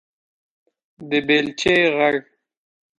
_د بېلچې غږ